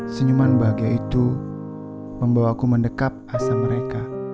senyuman bahagia itu membawaku mendekat mereka